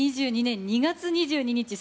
２０２２年２月２２日